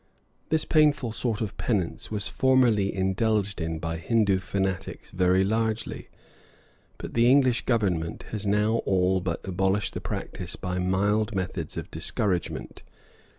This painful sort of penance was formerly indulged in by Hindoo fanatics very largely; but the English Government has now all but abolished the practice by mild methods of discouragement.